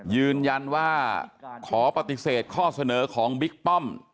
ยืนยันว่าขอปฏิเสธข้อเสนอของบิ๊กป้อม